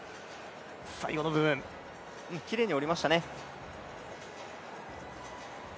最後の部分きれいに下りましたね。